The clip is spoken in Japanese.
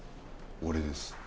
俺です。